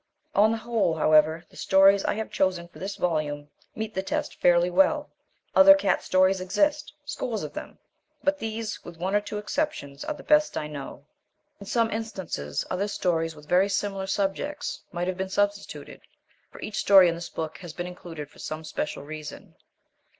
On the whole, however, the stories I have chosen for this volume meet the test fairly well. Other cat stories exist, scores of them, but these, with one or two exceptions, are the best I know. In some instances other stories with very similar subjects might have been substituted, for each story in this book has been included for some special reason.